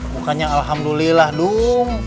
bukannya alhamdulillah dung